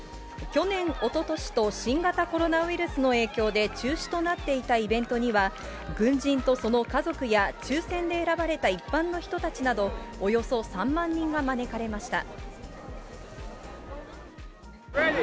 去年、おととしと、新型コロナウイルスの影響で中止となっていたイベントには、軍人とその家族や抽せんで選ばれた一般の人たちなど、およそ３万人が招かれました。